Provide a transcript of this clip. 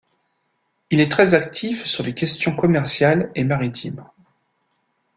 Il est très actif sur les questions commerciales et maritimes.